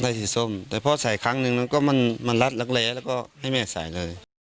ได้สีส้มแต่พ่อใส่ครั้งนึงก็มันลัดลักเลแล้วก็ให้แม่ใส่เลย